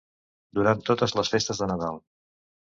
Durant totes les festes de Nadal.